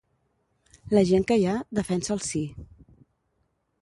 La gent que hi ha, defensa el Sí.